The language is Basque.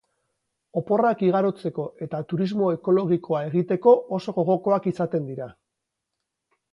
Oporrak igarotzeko eta turismo ekologikoa egiteko oso gogokoak izaten dira.